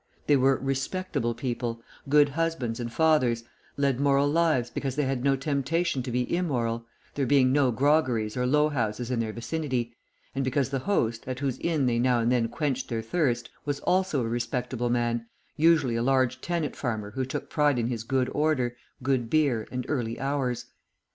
They were "respectable" people, good husbands and fathers, led moral lives because they had no temptation to be immoral, there being no groggeries or low houses in their vicinity, and because the host, at whose inn they now and then quenched their thirst, was also a respectable man, usually a large tenant farmer who took pride in his good order, good beer, and early hours.